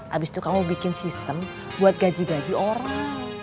habis itu kamu bikin sistem buat gaji gaji orang